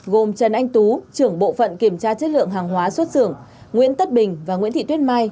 gồm trần anh tú trưởng bộ phận kiểm tra chất lượng hàng hóa xuất xưởng nguyễn tất bình và nguyễn thị tuyết mai